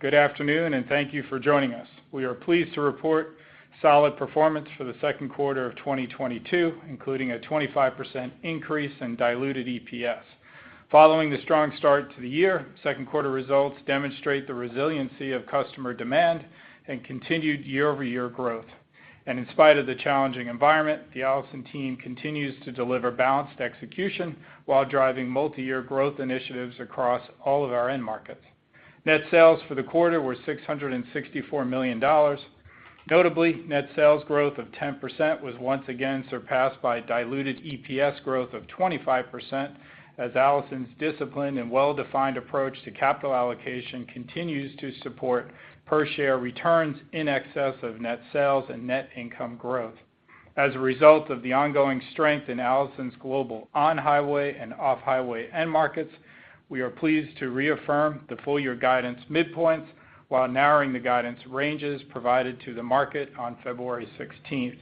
Good afternoon, and thank you for joining us. We are pleased to report solid performance for the second quarter of 2022, including a 25% increase in diluted EPS. Following the strong start to the year, second quarter results demonstrate the resiliency of customer demand and continued year-over-year growth. In spite of the challenging environment, the Allison team continues to deliver balanced execution while driving multi-year growth initiatives across all of our end markets. Net sales for the quarter were $664 million. Notably, net sales growth of 10% was once again surpassed by diluted EPS growth of 25%, as Allison's disciplined and well-defined approach to capital allocation continues to support per share returns in excess of net sales and net income growth. As a result of the ongoing strength in Allison's global on-highway and off-highway end markets, we are pleased to reaffirm the full-year guidance midpoints while narrowing the guidance ranges provided to the market on February 16.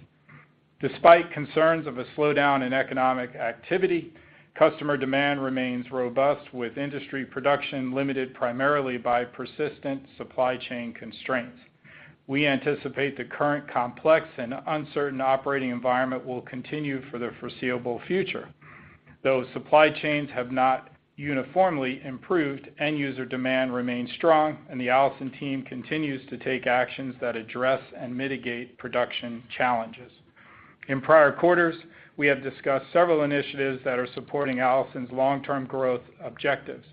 Despite concerns of a slowdown in economic activity, customer demand remains robust, with industry production limited primarily by persistent supply chain constraints. We anticipate the current complex and uncertain operating environment will continue for the foreseeable future. Though supply chains have not uniformly improved, end user demand remains strong, and the Allison team continues to take actions that address and mitigate production challenges. In prior quarters, we have discussed several initiatives that are supporting Allison's long-term growth objectives.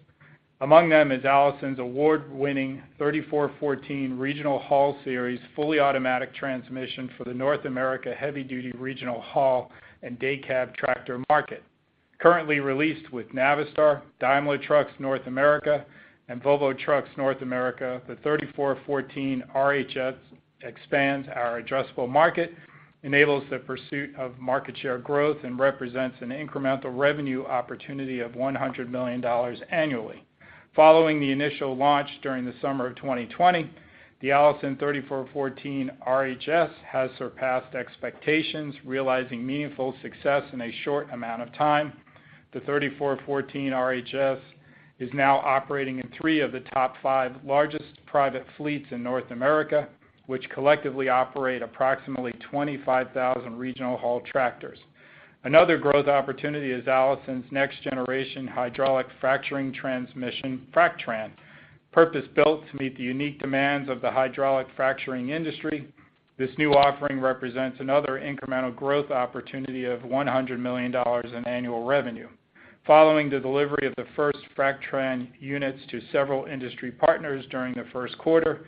Among them is Allison's award-winning 3414 Regional Haul Series fully automatic transmission for the North America heavy-duty regional haul and day cab tractor market. Currently released with Navistar, Daimler Truck North America, and Volvo Trucks North America, the 3414 RHS expands our addressable market, enables the pursuit of market share growth, and represents an incremental revenue opportunity of $100 million annually. Following the initial launch during the summer of 2020, the Allison 3414 RHS has surpassed expectations, realizing meaningful success in a short amount of time. The 3414 RHS is now operating in three of the top five largest private fleets in North America, which collectively operate approximately 25,000 regional haul tractors. Another growth opportunity is Allison's next generation hydraulic fracturing transmission, FracTran. Purpose-built to meet the unique demands of the hydraulic fracturing industry, this new offering represents another incremental growth opportunity of $100 million in annual revenue. Following the delivery of the first FracTran units to several industry partners during the first quarter,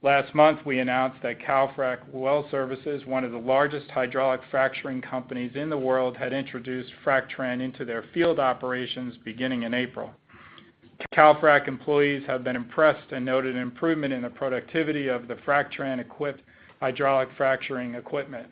last month, we announced that Calfrac Well Services, one of the largest hydraulic fracturing companies in the world, had introduced FracTran into their field operations beginning in April. Calfrac employees have been impressed and noted improvement in the productivity of the FracTran-equipped hydraulic fracturing equipment.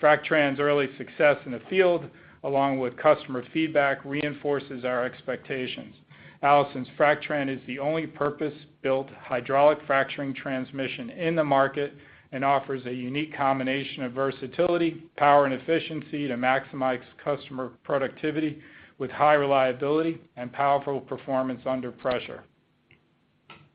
FracTran's early success in the field, along with customer feedback, reinforces our expectations. Allison's FracTran is the only purpose-built hydraulic fracturing transmission in the market and offers a unique combination of versatility, power, and efficiency to maximize customer productivity with high reliability and powerful performance under pressure.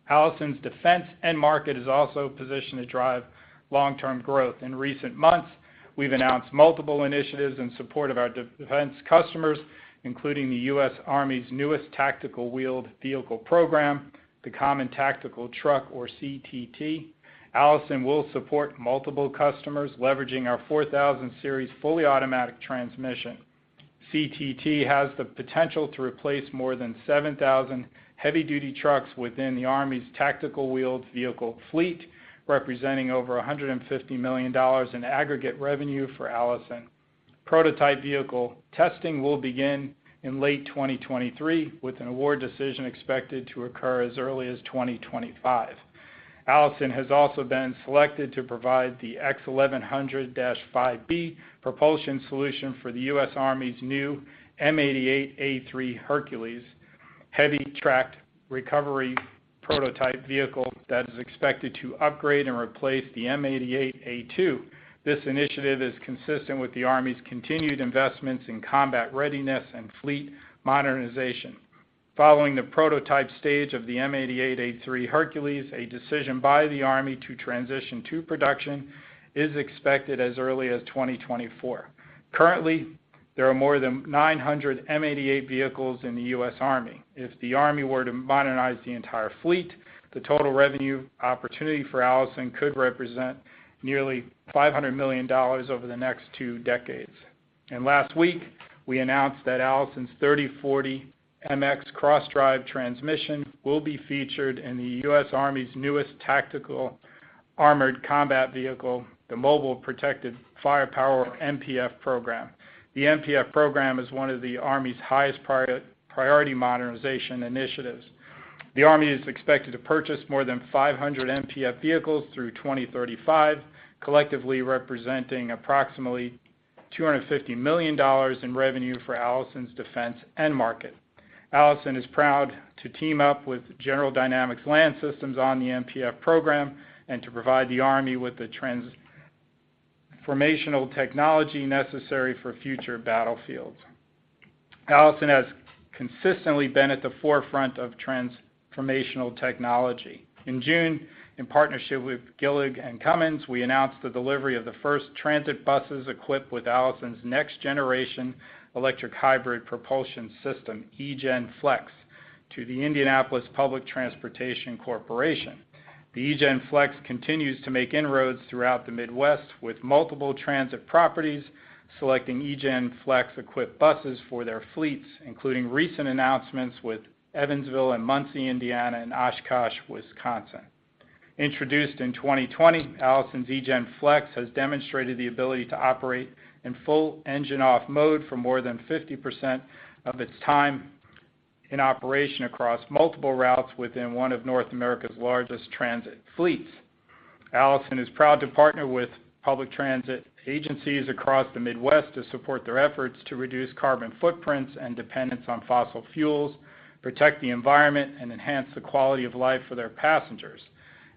Allison's defense end market is also positioned to drive long-term growth. In recent months, we've announced multiple initiatives in support of our defense customers, including the U.S. Army's newest tactical wheeled vehicle program, the Common Tactical Truck, or CTT. Allison will support multiple customers leveraging our 4000 Series fully automatic transmission. CTT has the potential to replace more than 7,000 heavy duty trucks within the Army's tactical wheeled vehicle fleet, representing over $150 million in aggregate revenue for Allison. Prototype vehicle testing will begin in late 2023, with an award decision expected to occur as early as 2025. Allison has also been selected to provide the X-1100-5B propulsion solution for the U.S. Army's new M88A3 HERCULES heavy tracked recovery prototype vehicle that is expected to upgrade and replace the M88A2. This initiative is consistent with the Army's continued investments in combat readiness and fleet modernization. Following the prototype stage of the M88A3 HERCULES, a decision by the Army to transition to production is expected as early as 2024. Currently, there are more than 900 M88 vehicles in the U.S. Army. If the Army were to modernize the entire fleet, the total revenue opportunity for Allison could represent nearly $500 million over the next two decades. Last week, we announced that Allison's 3040 MX cross-drive transmission will be featured in the U.S. Army's newest tactical armored combat vehicle, the Mobile Protected Firepower, MPF program. The MPF program is one of the Army's highest priority modernization initiatives. The Army is expected to purchase more than 500 MPF vehicles through 2035, collectively representing approximately $250 million in revenue for Allison's defense end market. Allison is proud to team up with General Dynamics Land Systems on the MPF program and to provide the Army with the transformational technology necessary for future battlefields. Allison has consistently been at the forefront of transformational technology. In June, in partnership with Gillig and Cummins, we announced the delivery of the first transit buses equipped with Allison's next generation electric hybrid propulsion system, eGen Flex, to the Indianapolis Public Transportation Corporation. The eGen Flex continues to make inroads throughout the Midwest, with multiple transit properties selecting eGen Flex-equipped buses for their fleets, including recent announcements with Evansville and Muncie, Indiana, and Oshkosh, Wisconsin. Introduced in 2020, Allison's eGen Flex has demonstrated the ability to operate in full engine-off mode for more than 50% of its time in operation across multiple routes within one of North America's largest transit fleets. Allison is proud to partner with public transit agencies across the Midwest to support their efforts to reduce carbon footprints and dependence on fossil fuels, protect the environment, and enhance the quality of life for their passengers.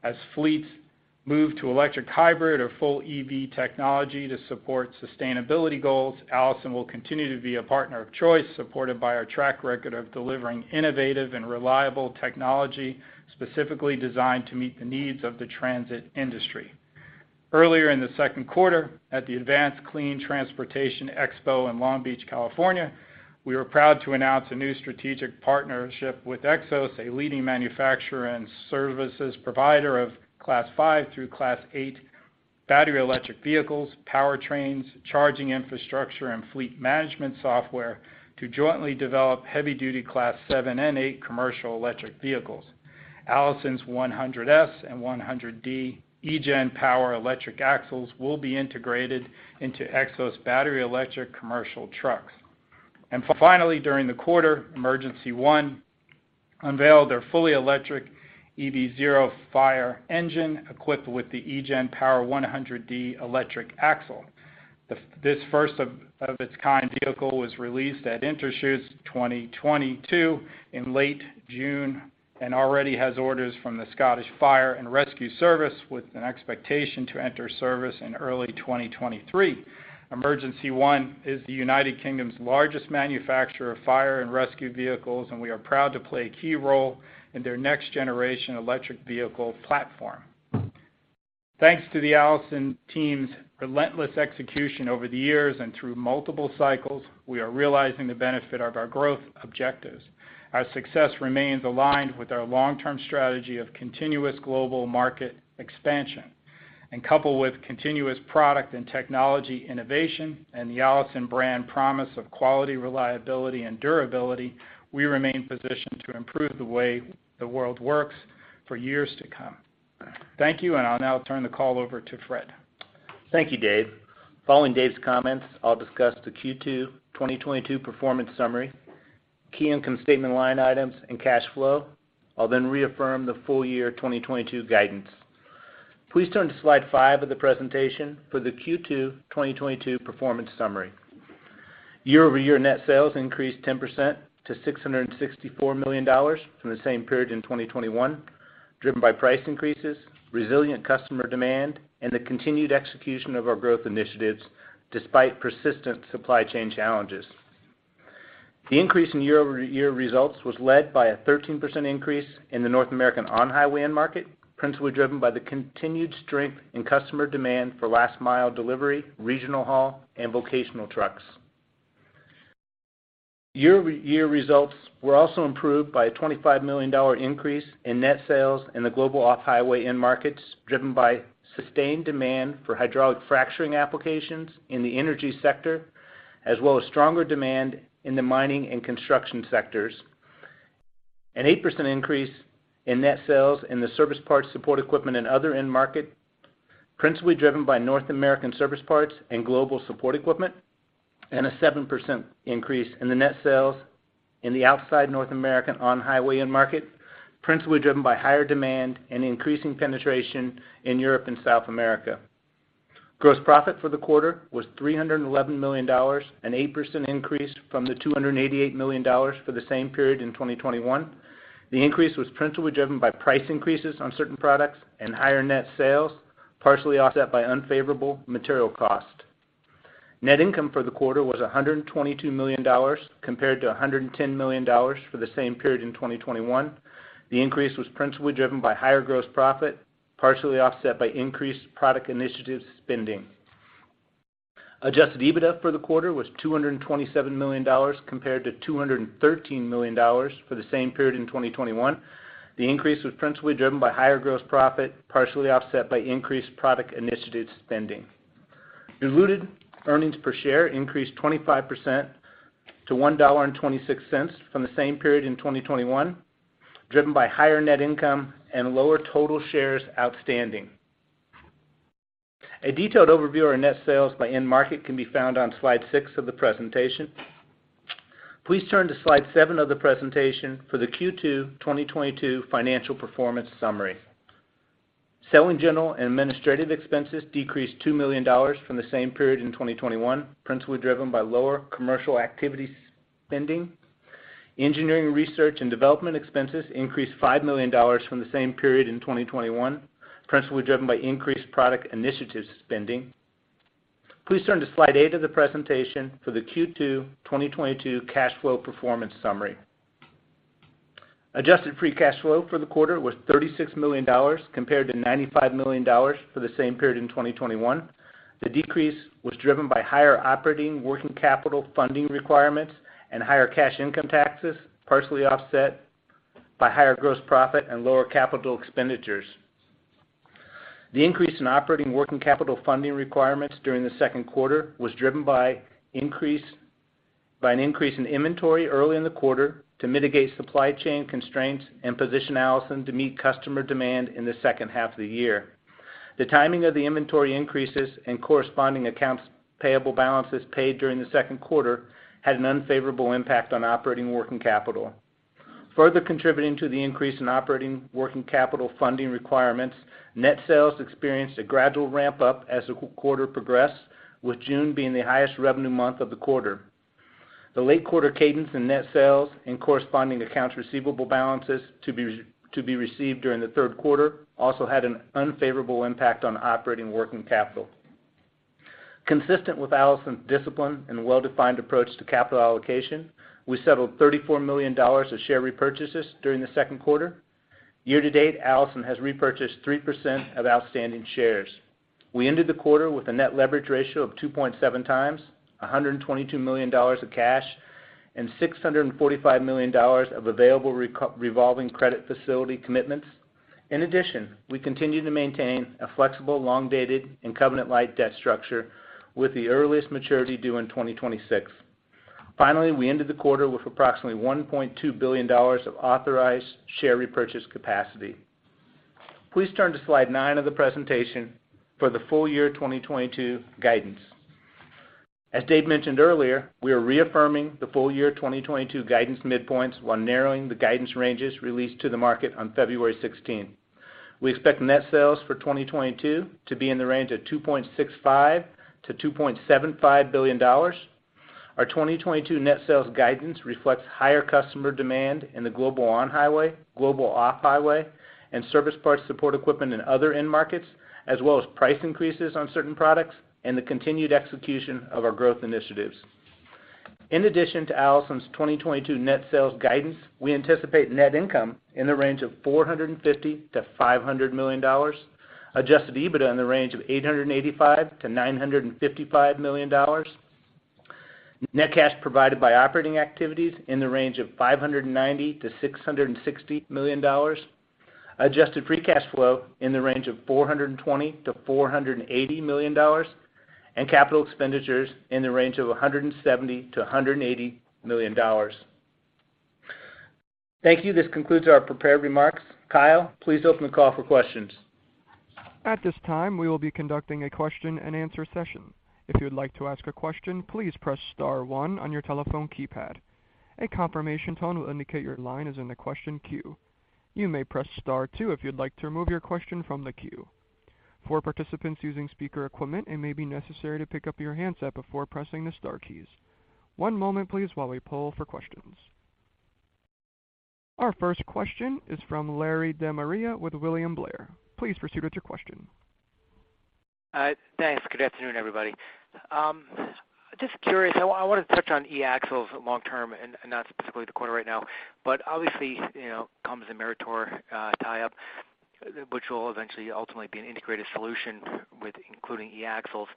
As fleets move to electric hybrid or full EV technology to support sustainability goals, Allison will continue to be a partner of choice, supported by our track record of delivering innovative and reliable technology specifically designed to meet the needs of the transit industry. Earlier in the second quarter, at the Advanced Clean Transportation Expo in Long Beach, California, we were proud to announce a new strategic partnership with Xos, a leading manufacturer and services provider of Class 5 through Class 8 battery electric vehicles, powertrains, charging infrastructure, and fleet management software to jointly develop heavy-duty Class 7 and 8 commercial electric vehicles. Allison's 100S and 100D eGen Power electric axles will be integrated into Xos battery electric commercial trucks. Finally, during the quarter, Emergency One unveiled their fully electric Vector fire engine equipped with the eGen Power 100D electric axle. This first of its kind vehicle was released at Interschutz 2022 in late June and already has orders from the Scottish Fire and Rescue Service, with an expectation to enter service in early 2023. Emergency One is the United Kingdom's largest manufacturer of fire and rescue vehicles, and we are proud to play a key role in their next-generation electric vehicle platform. Thanks to the Allison team's relentless execution over the years and through multiple cycles, we are realizing the benefit of our growth objectives. Our success remains aligned with our long-term strategy of continuous global market expansion. Coupled with continuous product and technology innovation and the Allison brand promise of quality, reliability, and durability, we remain positioned to improve the way the world works for years to come. Thank you, and I'll now turn the call over to Fred. Thank you, Dave. Following Dave's comments, I'll discuss the Q2 2022 performance summary, key income statement line items, and cash flow. I'll then reaffirm the full year 2022 guidance. Please turn to slide five of the presentation for the Q2 2022 performance summary. Year-over-year net sales increased 10% to $664 million from the same period in 2021, driven by price increases, resilient customer demand, and the continued execution of our growth initiatives despite persistent supply chain challenges. The increase in year-over-year results was led by a 13% increase in the North American on-highway end market, principally driven by the continued strength in customer demand for last mile delivery, regional haul, and vocational trucks. Year-over-year results were also improved by a $25 million increase in net sales in the global off-highway end markets, driven by sustained demand for hydraulic fracturing applications in the energy sector, as well as stronger demand in the mining and construction sectors. An 8% increase in net sales in the service parts, support equipment and other end market, principally driven by North American service parts and global support equipment, and a 7% increase in the net sales in the outside North American on-highway end market, principally driven by higher demand and increasing penetration in Europe and South America. Gross profit for the quarter was $311 million, an 8% increase from the $288 million for the same period in 2021. The increase was principally driven by price increases on certain products and higher net sales, partially offset by unfavorable material cost. Net income for the quarter was $122 million, compared to $110 million for the same period in 2021. The increase was principally driven by higher gross profit, partially offset by increased product initiative spending. Adjusted EBITDA for the quarter was $227 million compared to $213 million for the same period in 2021. The increase was principally driven by higher gross profit, partially offset by increased product initiative spending. Diluted earnings per share increased 25% to $1.26 from the same period in 2021, driven by higher net income and lower total shares outstanding. A detailed overview of our net sales by end market can be found on slide six of the presentation. Please turn to slide seven of the presentation for the Q2 2022 financial performance summary. Selling, general and administrative expenses decreased $2 million from the same period in 2021, principally driven by lower commercial activity spending. Engineering research and development expenses increased $5 million from the same period in 2021, principally driven by increased product initiative spending. Please turn to slide eight of the presentation for the Q2 2022 cash flow performance summary. Adjusted free cash flow for the quarter was $36 million compared to $95 million for the same period in 2021. The decrease was driven by higher operating working capital funding requirements and higher cash income taxes, partially offset by higher gross profit and lower capital expenditures. The increase in operating working capital funding requirements during the second quarter was driven by an increase in inventory early in the quarter to mitigate supply chain constraints and position Allison to meet customer demand in the second half of the year. The timing of the inventory increases and corresponding accounts payable balances paid during the second quarter had an unfavorable impact on operating working capital. Further contributing to the increase in operating working capital funding requirements, net sales experienced a gradual ramp up as the quarter progressed, with June being the highest revenue month of the quarter. The late quarter cadence in net sales and corresponding accounts receivable balances to be received during the third quarter also had an unfavorable impact on operating working capital. Consistent with Allison's discipline and well-defined approach to capital allocation, we settled $34 million of share repurchases during the second quarter. Year to date, Allison has repurchased 3% of outstanding shares. We ended the quarter with a net leverage ratio of 2.7x, $122 million of cash, and $645 million of available revolving credit facility commitments. In addition, we continue to maintain a flexible, long-dated, and covenant-light debt structure with the earliest maturity due in 2026. Finally, we ended the quarter with approximately $1.2 billion of authorized share repurchase capacity. Please turn to slide nine of the presentation for the full year 2022 guidance. As Dave mentioned earlier, we are reaffirming the full year 2022 guidance midpoints while narrowing the guidance ranges released to the market on February 16. We expect net sales for 2022 to be in the range of $2.65 billion-$2.75 billion. Our 2022 net sales guidance reflects higher customer demand in the global on-highway, global off-highway, and service parts support equipment and other end markets, as well as price increases on certain products and the continued execution of our growth initiatives. In addition to Allison's 2022 net sales guidance, we anticipate net income in the range of $450 million-$500 million, adjusted EBITDA in the range of $885 million-$955 million, net cash provided by operating activities in the range of $590 million-$660 million, adjusted free cash flow in the range of $420 million-$480 million, and capital expenditures in the range of $170 million-$180 million. Thank you. This concludes our prepared remarks. Kyle, please open the call for questions. At this time, we will be conducting a question-and-answer session. If you would like to ask a question, please press star one on your telephone keypad. A confirmation tone will indicate your line is in the question queue. You may press star two if you'd like to remove your question from the queue. For participants using speaker equipment, it may be necessary to pick up your handset before pressing the star keys. One moment please while we poll for questions. Our first question is from Larry De Maria with William Blair. Please proceed with your question. Thanks. Good afternoon, everybody. Just curious, I wanted to touch on e-axles long term and not specifically the quarter right now. Obviously, you know, Cummins and Meritor tie up, which will eventually ultimately be an integrated solution with including e-axles.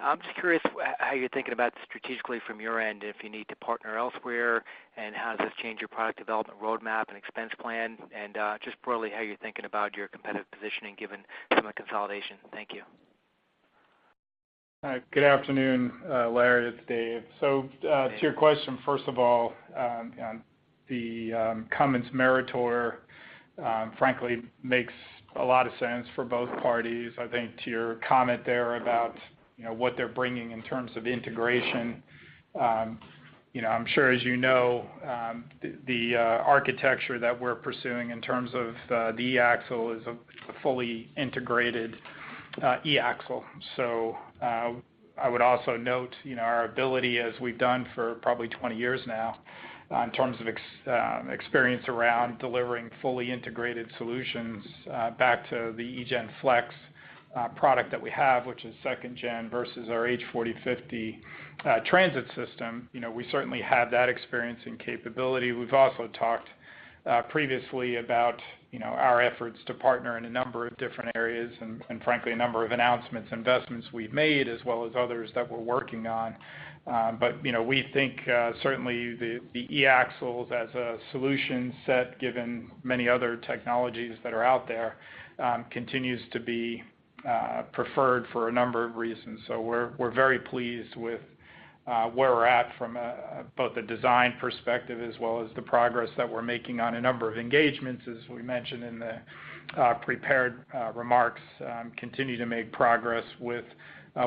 I'm just curious how you're thinking about strategically from your end if you need to partner elsewhere, and how does this change your product development roadmap and expense plan, and just broadly how you're thinking about your competitive positioning given some of the consolidation. Thank you. All right. Good afternoon, Larry. It's Dave. To your question, first of all, the Cummins Meritor frankly makes a lot of sense for both parties. I think to your comment there about, you know, what they're bringing in terms of integration, you know, I'm sure as you know, the architecture that we're pursuing in terms of the e-axle is a fully integrated e-axle. I would also note, you know, our ability as we've done for probably 20 years now in terms of experience around delivering fully integrated solutions, back to the eGen Flex product that we have, which is second gen versus our H4050 transit system. You know, we certainly have that experience and capability. We've also talked previously about, you know, our efforts to partner in a number of different areas and frankly a number of announcements, investments we've made, as well as others that we're working on. You know, we think certainly the e-axles as a solution set, given many other technologies that are out there, continues to be preferred for a number of reasons. We're very pleased with where we're at from both the design perspective as well as the progress that we're making on a number of engagements, as we mentioned in the prepared remarks. Continue to make progress with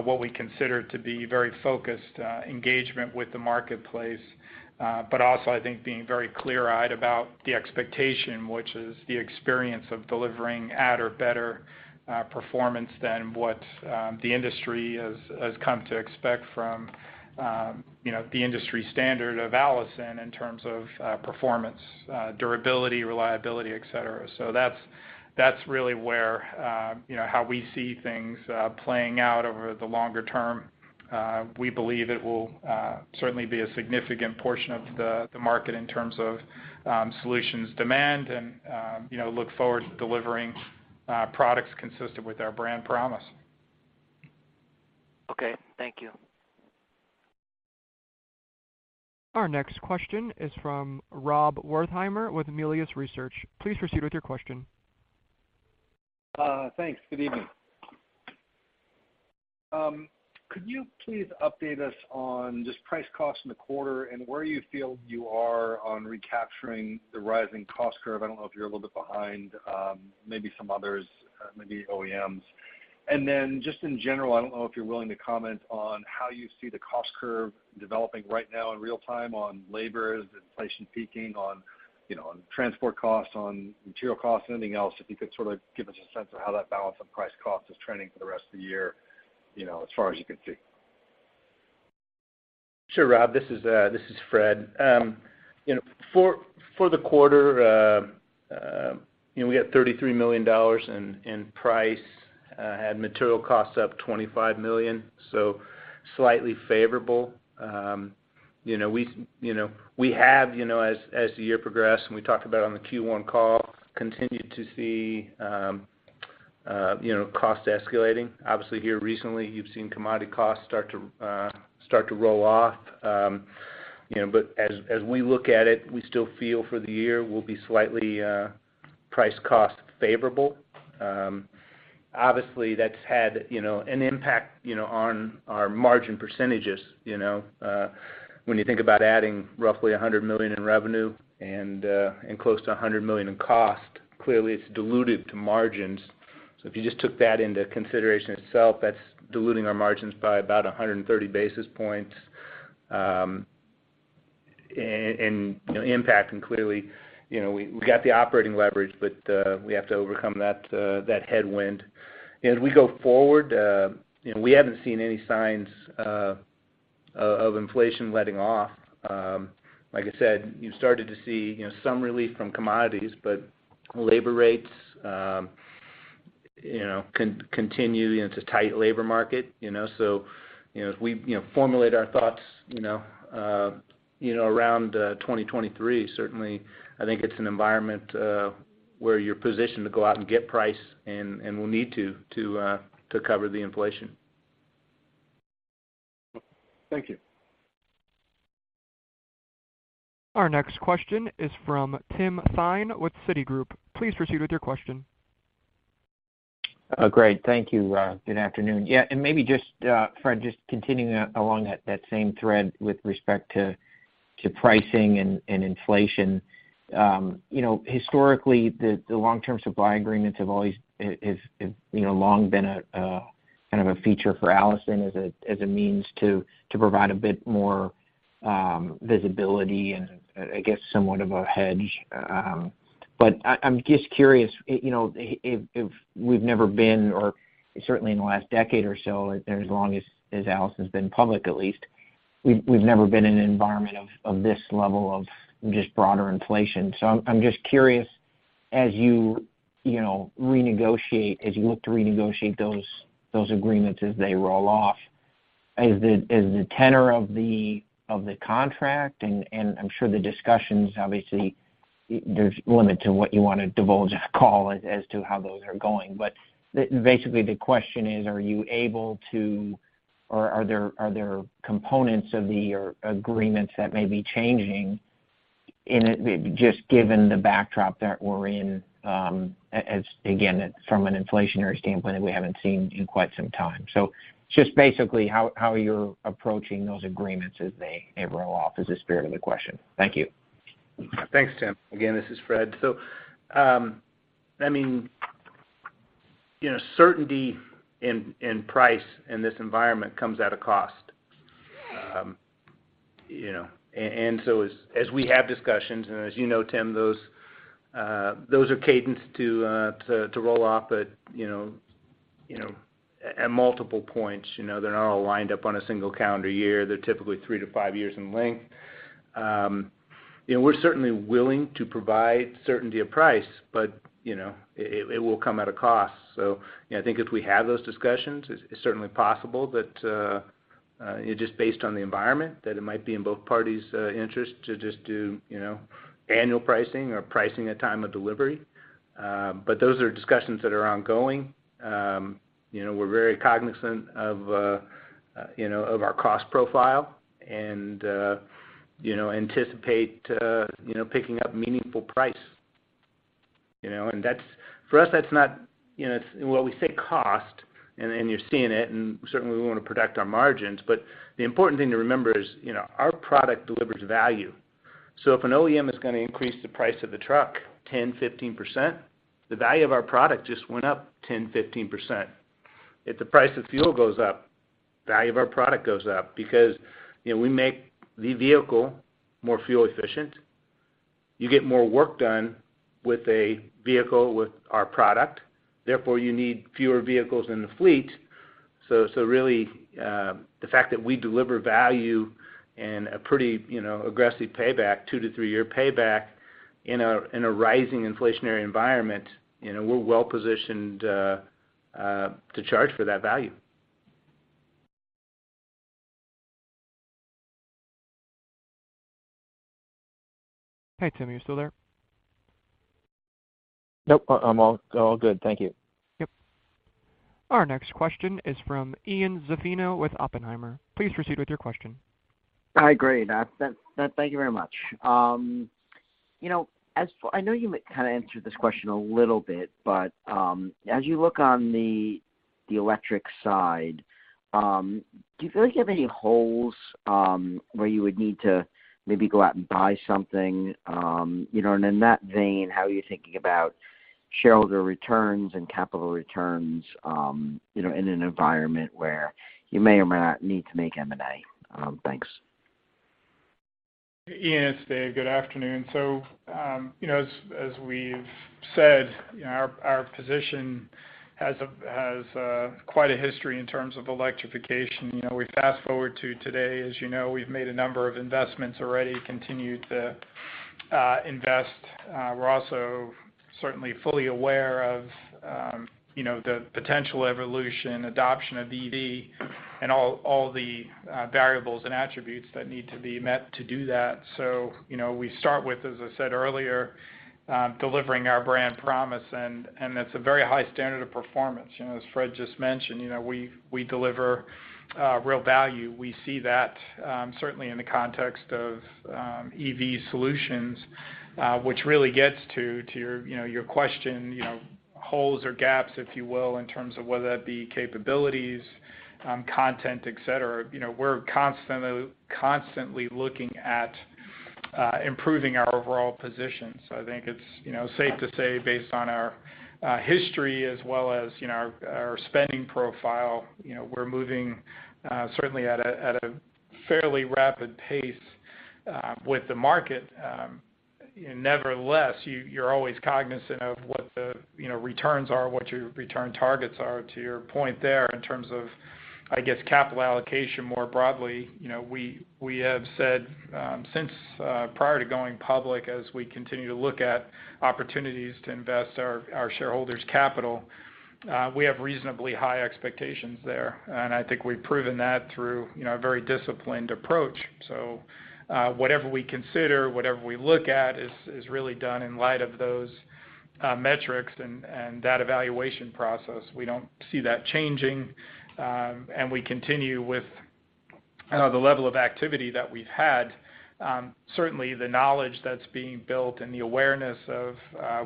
what we consider to be very focused engagement with the marketplace. Also I think being very clear-eyed about the expectation, which is the experience of delivering at or better performance than what the industry has come to expect from, you know, the industry standard of Allison in terms of performance, durability, reliability, et cetera. That's really where, you know, how we see things playing out over the longer term. We believe it will certainly be a significant portion of the market in terms of solutions demand and, you know, look forward to delivering products consistent with our brand promise. Okay. Thank you. Our next question is from Rob Wertheimer with Melius Research. Please proceed with your question. Thanks. Good evening. Could you please update us on just price costs in the quarter and where you feel you are on recapturing the rising cost curve? I don't know if you're a little bit behind, maybe some others, maybe OEMs. Then just in general, I don't know if you're willing to comment on how you see the cost curve developing right now in real time on labor, is inflation peaking on, you know, on transport costs, on material costs, anything else, if you could sort of give us a sense of how that balance of price cost is trending for the rest of the year, you know, as far as you can see. Sure, Rob. This is Fred. You know, for the quarter, we had $33 million in price, had material costs up $25 million, so slightly favorable. You know, we have, you know, as the year progressed, and we talked about on the Q1 call, continued to see costs escalating. Obviously, here recently, you've seen commodity costs start to roll off. You know, but as we look at it, we still feel for the year we'll be slightly price cost favorable. Obviously that's had an impact on our margin percentages. When you think about adding roughly $100 million in revenue and close to $100 million in cost, clearly it's diluted to margins. If you just took that into consideration itself, that's diluting our margins by about 130 basis points, and you know, impact. Clearly, you know, we've got the operating leverage, but we have to overcome that headwind. As we go forward, you know, we haven't seen any signs of inflation letting off. Like I said, you've started to see, you know, some relief from commodities, but labor rates, you know, continue. It's a tight labor market, you know. You know, as we formulate our thoughts, you know, around 2023, certainly, I think it's an environment where you're positioned to go out and get price and we'll need to to cover the inflation. Thank you. Our next question is from Tim Thein with Citigroup. Please proceed with your question. Great. Thank you. Good afternoon. Yeah, maybe just Fred, just continuing along that same thread with respect to pricing and inflation. You know, historically, it has long been a kind of a feature for Allison as a means to provide a bit more visibility and, I guess, somewhat of a hedge. But I'm just curious, you know, if we've never been, or certainly in the last decade or so, as long as Allison's been public at least, we've never been in an environment of this level of just broader inflation. I'm just curious, as you know, renegotiate, as you look to renegotiate those agreements as they roll off, is the tenor of the contract, and I'm sure the discussions, obviously, there's limit to what you wanna divulge as to how those are going. But basically, the question is, are you able to or are there components of the agreements that may be changing in it just given the backdrop that we're in, as again, from an inflationary standpoint that we haven't seen in quite some time. Just basically how you're approaching those agreements as they roll off is the spirit of the question. Thank you. Thanks, Tim. Again, this is Fred. I mean, you know, certainty in price in this environment comes at a cost. You know, as we have discussions, and as you know, Tim, those are cadenced to roll off at multiple points. You know, they're not all lined up on a single calendar year. They're typically three to five years in length. You know, we're certainly willing to provide certainty of price, but you know, it will come at a cost. You know, I think if we have those discussions, it's certainly possible that just based on the environment, that it might be in both parties' interest to just do annual pricing or pricing at time of delivery. Those are discussions that are ongoing. You know, we're very cognizant of, you know, of our cost profile and, you know, anticipate, you know, picking up meaningful price. You know, that's for us, that's not, you know, well, we think cost and you're seeing it, and certainly we wanna protect our margins. The important thing to remember is, you know, our product delivers value. If an OEM is gonna increase the price of the truck 10%-15%, the value of our product just went up 10%-15%. If the price of fuel goes up, the value of our product goes up because, you know, we make the vehicle more fuel efficient. You get more work done with a vehicle with our product, therefore you need fewer vehicles in the fleet. really, the fact that we deliver value and a pretty, you know, aggressive payback, 2-3-year payback in a rising inflationary environment, you know, we're well-positioned to charge for that value. Hey, Tim, are you still there? Nope, I'm all good. Thank you. Yep. Our next question is from Ian Zaffino with Oppenheimer. Please proceed with your question. Hi, great. Thank you very much. You know, I know you kinda answered this question a little bit, but as you look on the electric side, do you feel like you have any holes where you would need to maybe go out and buy something? You know, in that vein, how are you thinking about shareholder returns and capital returns, you know, in an environment where you may or may not need to make M&A? Thanks. Ian, it's Dave. Good afternoon. You know, as we've said, you know, our position has quite a history in terms of electrification. You know, we fast-forward to today, as you know, we've made a number of investments already, continued to invest. We're also certainly fully aware of, you know, the potential evolution, adoption of EV and all the variables and attributes that need to be met to do that. You know, we start with, as I said earlier, delivering our brand promise and that's a very high standard of performance. You know, as Fred just mentioned, you know, we deliver real value. We see that certainly in the context of EV solutions, which really gets to your question, you know, holes or gaps, if you will, in terms of whether that be capabilities, content, et cetera. You know, we're constantly looking at improving our overall position. I think it's, you know, safe to say, based on our history as well as our spending profile, you know, we're moving certainly at a fairly rapid pace with the market. Nevertheless, you're always cognizant of what the returns are, what your return targets are, to your point there, in terms of, I guess, capital allocation more broadly. You know, we have said since prior to going public, as we continue to look at opportunities to invest our shareholders' capital, we have reasonably high expectations there. I think we've proven that through, you know, a very disciplined approach. Whatever we consider, whatever we look at is really done in light of those metrics and that evaluation process. We don't see that changing. We continue with the level of activity that we've had. Certainly the knowledge that's being built and the awareness of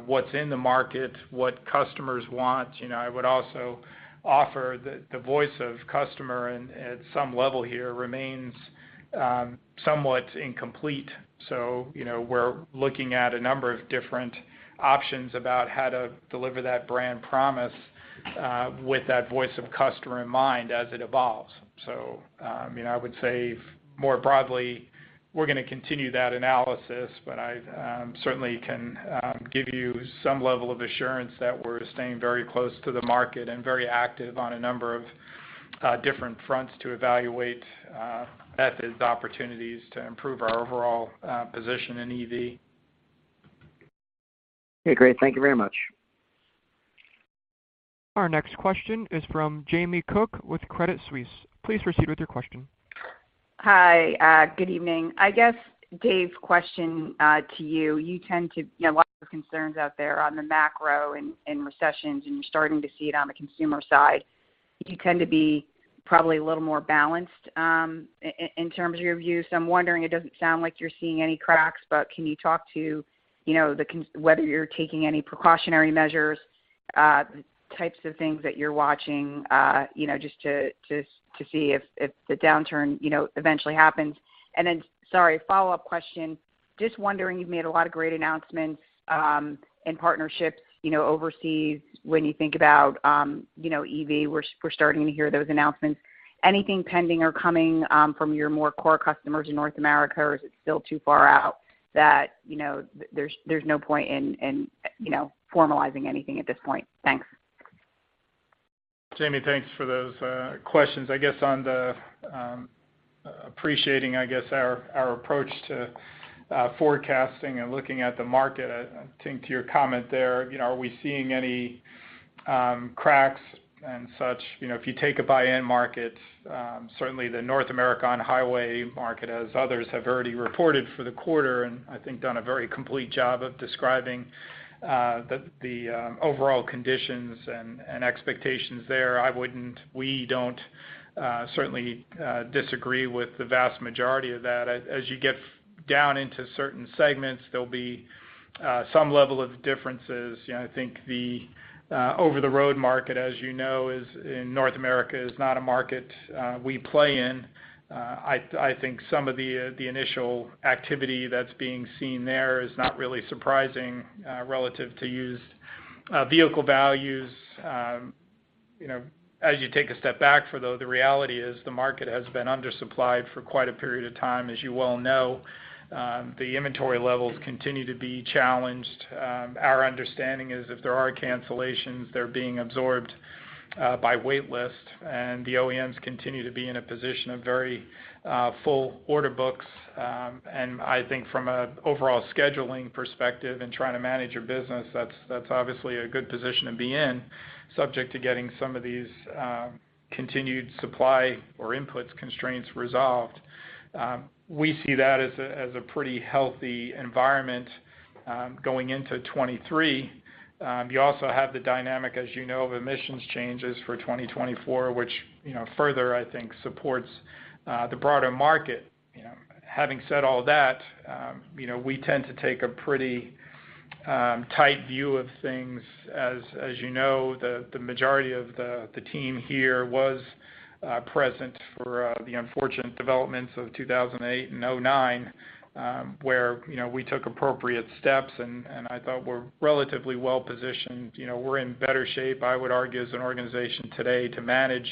what's in the market, what customers want. You know, I would also offer the voice of customer and at some level here remains somewhat incomplete. you know, we're looking at a number of different options about how to deliver that brand promise, with that voice of customer in mind as it evolves. I would say more broadly, we're gonna continue that analysis, but I certainly can give you some level of assurance that we're staying very close to the market and very active on a number of different fronts to evaluate methods, opportunities to improve our overall position in EV. Okay, great. Thank you very much. Our next question is from Jamie Cook with Credit Suisse. Please proceed with your question. Hi, good evening. I guess, Dave, question to you. You tend to lots of concerns out there on the macro and recessions, and you're starting to see it on the consumer side. You tend to be probably a little more balanced in terms of your views. So I'm wondering, it doesn't sound like you're seeing any cracks, but can you talk to whether you're taking any precautionary measures, types of things that you're watching, just to see if the downturn eventually happens? Sorry, a follow-up question. Just wondering, you've made a lot of great announcements and partnerships overseas when you think about EV, we're starting to hear those announcements. Anything pending or coming from your more core customers in North America, or is it still too far out that, you know, there's no point in, you know, formalizing anything at this point? Thanks. Jamie, thanks for those questions. I guess on the appreciating, I guess, our approach to forecasting and looking at the market, I think to your comment there, you know, are we seeing any cracks and such? You know, if you take a by end market, certainly the North America on-highway market, as others have already reported for the quarter and I think done a very complete job of describing the overall conditions and expectations there. We don't certainly disagree with the vast majority of that. As you get down into certain segments, there'll be some level of differences. You know, I think the over-the-road market, as you know, is in North America, is not a market we play in. I think some of the initial activity that's being seen there is not really surprising relative to used vehicle values. You know, as you take a step back, though, the reality is the market has been undersupplied for quite a period of time, as you well know. The inventory levels continue to be challenged. Our understanding is if there are cancellations, they're being absorbed by wait list, and the OEMs continue to be in a position of very full order books. I think from an overall scheduling perspective and trying to manage your business, that's obviously a good position to be in, subject to getting some of these continued supply or inputs constraints resolved. We see that as a pretty healthy environment going into 2023. You also have the dynamic, as you know, of emissions changes for 2024, which, you know, further, I think, supports the broader market. You know, having said all that, you know, we tend to take a pretty tight view of things. As you know, the majority of the team here was present for the unfortunate developments of 2008 and 2009, where, you know, we took appropriate steps and I thought were relatively well positioned. You know, we're in better shape, I would argue, as an organization today to manage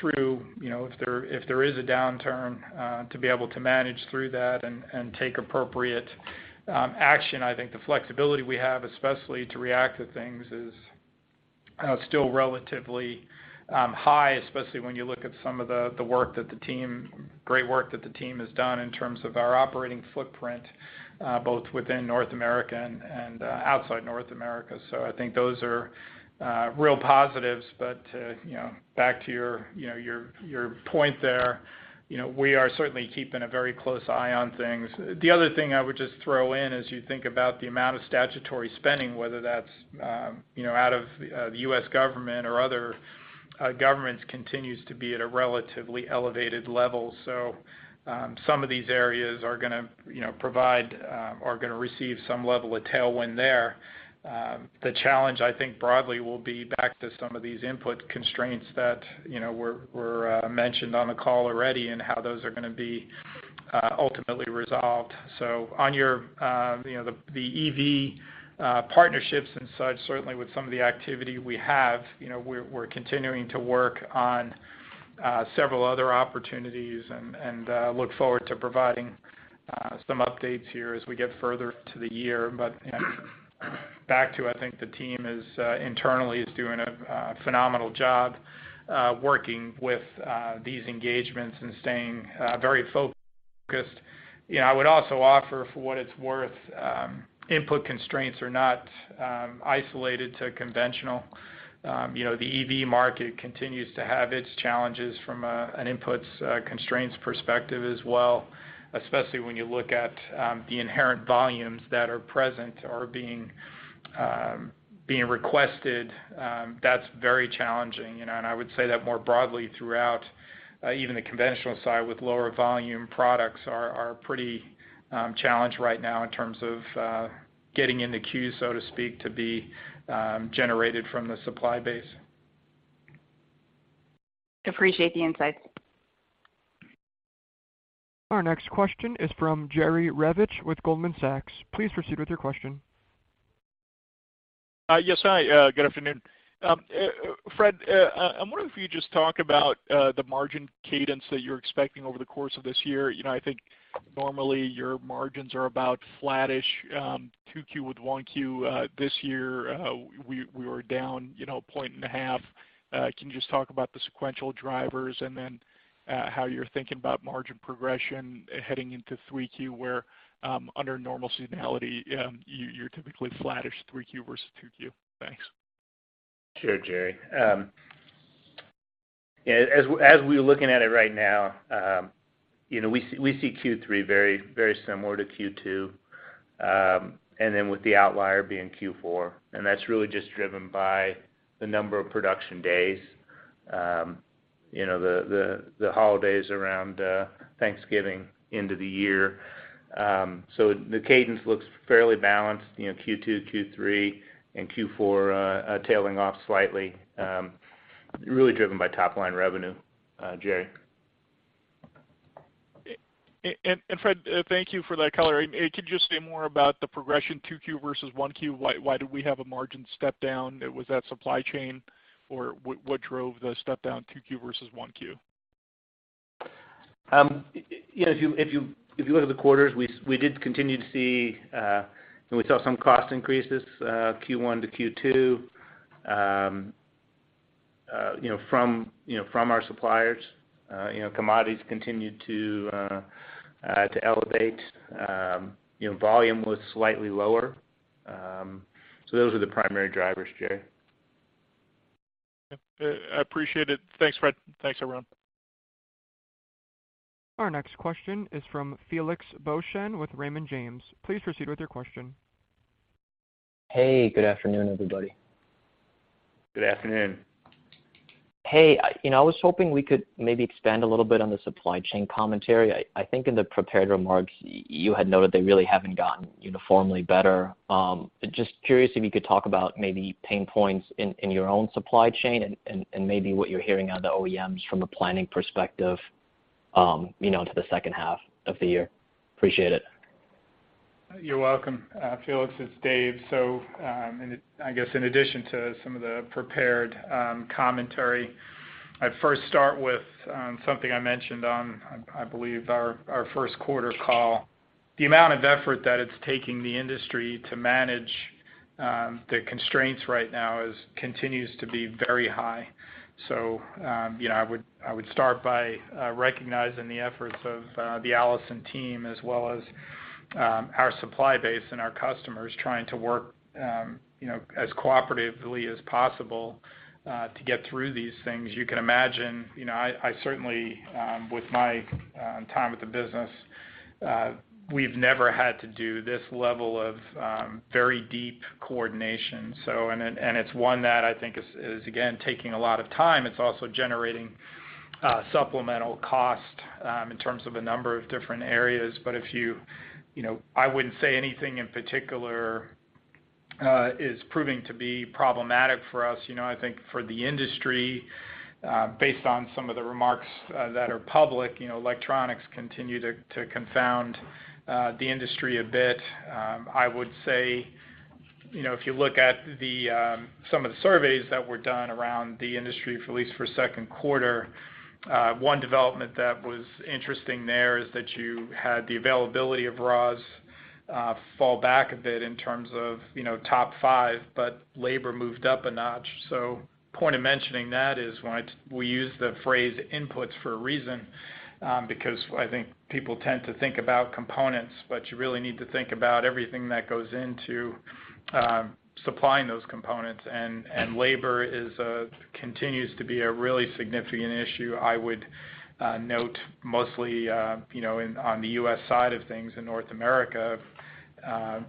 through, you know, if there is a downturn, to be able to manage through that and take appropriate action. I think the flexibility we have, especially to react to things, is still relatively high, especially when you look at some of the great work that the team has done in terms of our operating footprint, both within North America and outside North America. I think those are real positives. You know, back to your point there, you know, we are certainly keeping a very close eye on things. The other thing I would just throw in, as you think about the amount of statutory spending, whether that's, you know, out of the U.S. government or other governments, continues to be at a relatively elevated level. Some of these areas are gonna receive some level of tailwind there. The challenge I think broadly will be back to some of these input constraints that, you know, were mentioned on the call already and how those are gonna be ultimately resolved. On your, you know, the EV partnerships and such, certainly with some of the activity we have, you know, we're continuing to work on several other opportunities and look forward to providing some updates here as we get further into the year. You know, back to I think the team internally is doing a phenomenal job working with these engagements and staying very focused. You know, I would also offer for what it's worth, input constraints are not isolated to conventional. You know, the EV market continues to have its challenges from an input constraints perspective as well, especially when you look at the inherent volumes that are present or being requested. That's very challenging, you know, and I would say that more broadly throughout even the conventional side with lower volume products are pretty challenged right now in terms of getting in the queue, so to speak, to be generated from the supply base. Appreciate the insights. Our next question is from Jerry Revich with Goldman Sachs. Please proceed with your question. Yes, hi. Good afternoon. Fred, I wonder if you just talk about the margin cadence that you're expecting over the course of this year. You know, I think normally your margins are about flattish 2Q with 1Q. This year, we were down, you know, 1.5%. Can you just talk about the sequential drivers and then how you're thinking about margin progression heading into 3Q, where under normal seasonality, you're typically flattish 3Q versus 2Q. Thanks. Sure, Jerry. Yeah, as we're looking at it right now, you know, we see Q3 very, very similar to Q2, and then with the outlier being Q4, and that's really just driven by the number of production days, you know, the holidays around Thanksgiving into the year. The cadence looks fairly balanced, you know, Q2, Q3, and Q4, tailing off slightly, really driven by top-line revenue, Jerry. Fred, thank you for that color. Could you just say more about the progression 2Q versus 1Q? Why do we have a margin step down? Was that supply chain, or what drove the step down 2Q versus 1Q? You know, if you look at the quarters, we did continue to see and we saw some cost increases, Q1 to Q2, you know, from our suppliers. You know, commodities continued to elevate. You know, volume was slightly lower. Those are the primary drivers, Jerry. Okay. I appreciate it. Thanks, Fred. Thanks, everyone. Our next question is from Felix Boeschen with Raymond James. Please proceed with your question. Hey, good afternoon, everybody. Good afternoon. Hey, you know, I was hoping we could maybe expand a little bit on the supply chain commentary. I think in the prepared remarks you had noted they really haven't gotten uniformly better. Just curious if you could talk about maybe pain points in your own supply chain and maybe what you're hearing on the OEMs from a planning perspective, you know, to the second half of the year. Appreciate it. You're welcome, Felix, it's Dave. I guess in addition to some of the prepared commentary, I'd first start with something I mentioned on, I believe our first quarter call. The amount of effort that it's taking the industry to manage the constraints right now continues to be very high. You know, I would start by recognizing the efforts of the Allison team as well as our supply base and our customers trying to work you know, as cooperatively as possible to get through these things. You can imagine, you know, I certainly with my time at the business, we've never had to do this level of very deep coordination. It's one that I think is again taking a lot of time. It's also generating supplemental cost in terms of a number of different areas. You know, I wouldn't say anything in particular is proving to be problematic for us. You know, I think for the industry based on some of the remarks that are public, you know, electronics continue to confound the industry a bit. I would say, you know, if you look at some of the surveys that were done around the industry for at least second quarter, one development that was interesting there is that you had the availability of raws fall back a bit in terms of, you know, top five, but labor moved up a notch. Point of mentioning that is we use the phrase inputs for a reason, because I think people tend to think about components, but you really need to think about everything that goes into supplying those components. Labor continues to be a really significant issue. I would note mostly, you know, in on the U.S. side of things in North America,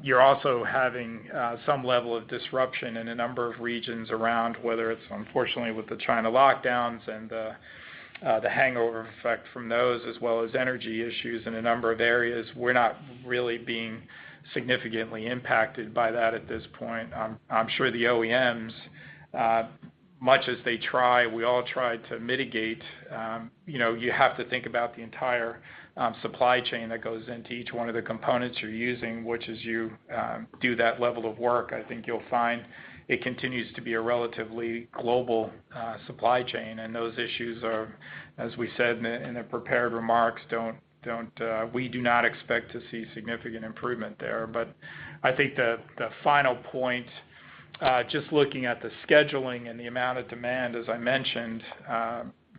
you're also having some level of disruption in a number of regions around whether it's unfortunately with the China lockdowns and the hangover effect from those, as well as energy issues in a number of areas. We're not really being significantly impacted by that at this point. I'm sure the OEMs, much as they try, we all try to mitigate, you know, you have to think about the entire supply chain that goes into each one of the components you're using. Which as you do that level of work, I think you'll find it continues to be a relatively global supply chain. Those issues are, as we said in the prepared remarks, we do not expect to see significant improvement there. I think the final point, just looking at the scheduling and the amount of demand, as I mentioned,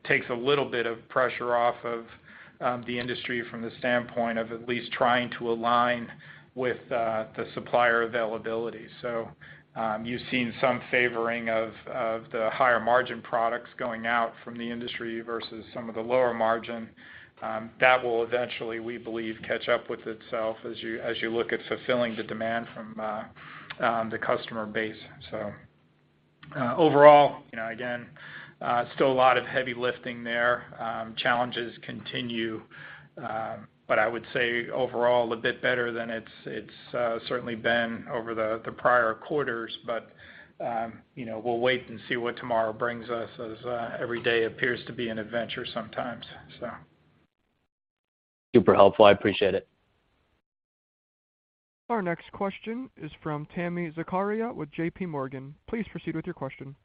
takes a little bit of pressure off of the industry from the standpoint of at least trying to align with the supplier availability. You've seen some favoring of the higher margin products going out from the industry versus some of the lower margin. That will eventually, we believe, catch up with itself as you look at fulfilling the demand from the customer base. Overall, you know, again, still a lot of heavy lifting there. Challenges continue. I would say overall a bit better than it's certainly been over the prior quarters. You know, we'll wait and see what tomorrow brings us as every day appears to be an adventure sometimes. Super helpful. I appreciate it. Our next question is from Tami Zakaria with JP Morgan. Please proceed with your question.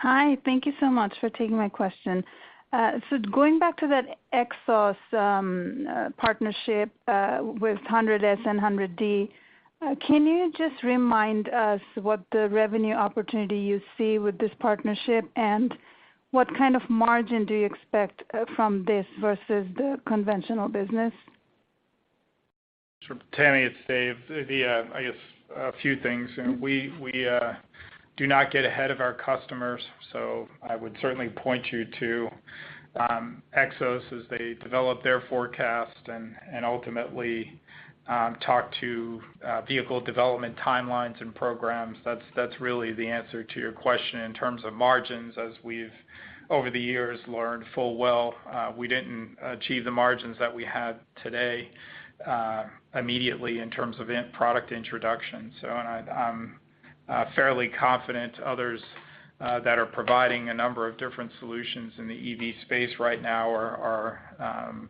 Hi. Thank you so much for taking my question. Going back to that Xos partnership with 100S and 100D, can you just remind us what the revenue opportunity you see with this partnership and what kind of margin do you expect from this versus the conventional business? Sure. Tami, it's Dave. The, I guess a few things. We do not get ahead of our customers, so I would certainly point you to Xos as they develop their forecast and ultimately talk to vehicle development timelines and programs. That's really the answer to your question. In terms of margins, as we've over the years learned full well, we didn't achieve the margins that we have today immediately in terms of product introduction. And I'm fairly confident others that are providing a number of different solutions in the EV space right now are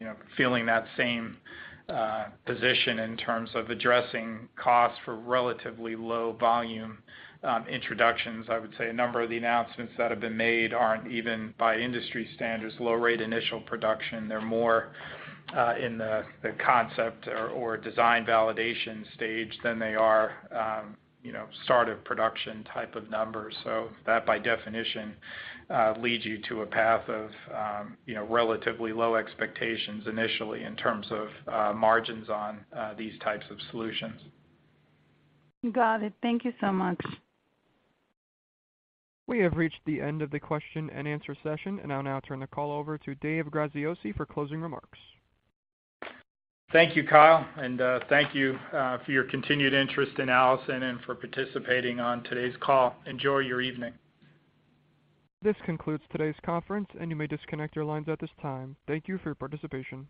you know feeling that same position in terms of addressing costs for relatively low volume introductions. I would say a number of the announcements that have been made aren't even by industry standards, low rate initial production. They're more in the concept or design validation stage than they are, you know, start of production type of numbers. That by definition leads you to a path of, you know, relatively low expectations initially in terms of margins on these types of solutions. Got it. Thank you so much. We have reached the end of the question and answer session, and I'll now turn the call over to David Graziosi for closing remarks. Thank you, Kyle, and, thank you, for your continued interest in Allison and for participating on today's call. Enjoy your evening. This concludes today's conference, and you may disconnect your lines at this time. Thank you for your participation.